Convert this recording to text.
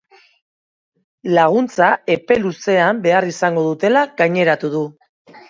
Laguntza epe luzean behar izango dutela gaineratu du.